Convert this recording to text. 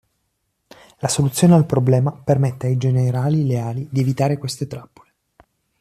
La soluzione al problema permette ai generali leali di evitare queste trappole.